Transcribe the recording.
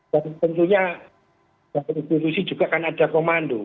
dan tentunya di institusi juga akan ada komando